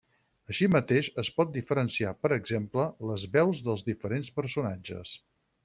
Així mateix, es pot diferenciar, per exemple, les veus dels diferents personatges.